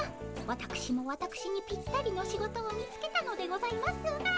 わたくしもわたくしにぴったりの仕事を見つけたのでございますが。